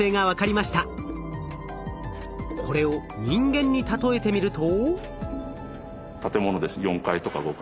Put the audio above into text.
これを人間に例えてみると。